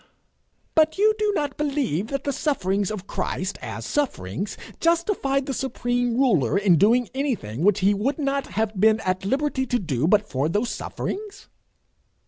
'But you do not believe that the sufferings of Christ, as sufferings, justified the supreme ruler in doing anything which he would not have been at liberty to do but for those sufferings?'